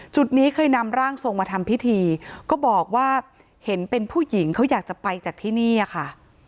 จุดนี้เคยนำร่างทรงมาทำพิธีก็บอกว่าเห็นเป็นผู้หญิงเขาอยากจะไปจากที่นี่อะค่ะ